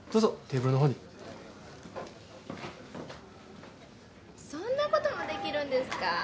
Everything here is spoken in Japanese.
・そんなこともできるんですか？